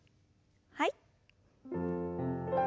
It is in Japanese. はい。